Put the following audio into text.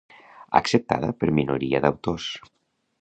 Acceptada per minoria d'autors.